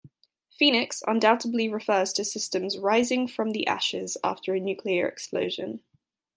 "Phoenix" undoubtedly refers to systems "rising from the ashes" after a nuclear explosion.